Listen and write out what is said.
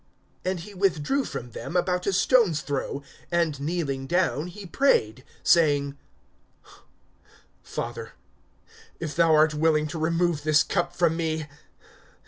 (41)And he withdrew from them about a stone's throw; and kneeling down, he prayed, (42)saying: Father, if thou art willing to remove this cup from me!